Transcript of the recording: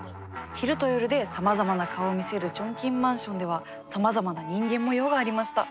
昼と夜でさまざまな顔を見せるチョンキンマンションではさまざまな人間模様がありました。